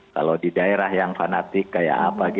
kalau di daerah yang fanatik kayak apa